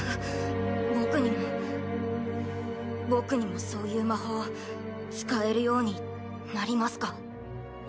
僕にも僕にもそういう魔法使えるようになりますか？